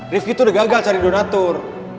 rifki tuh udah gagal cari donatur